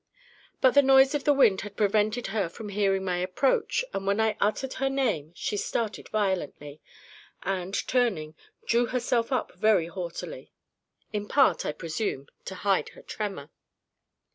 But the noise of the wind had prevented her from hearing my approach, and when I uttered her name, she started violently, and, turning, drew herself up very haughtily, in part, I presume, to hide her tremor.